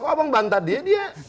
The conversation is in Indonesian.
kok abang bantah dia